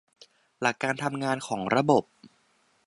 หลักการทำงานของระบบ